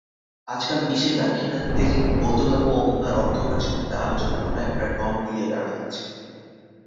আজকাল বিশেষত দাক্ষিণাত্যে বৌদ্ধধর্ম ও উহার অজ্ঞেয়বাদ সম্বন্ধে আলোচনা করা একটা ঢঙ হইয়া দাঁড়াইয়াছে।